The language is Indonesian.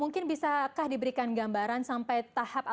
mungkin bisakah diberikan gambaran sampai tahap atau vaksinnya ya